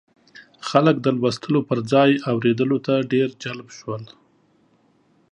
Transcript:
خلک د لوستلو پر ځای اورېدلو ته ډېر جلب شول.